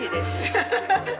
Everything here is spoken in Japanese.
ハハハハハ！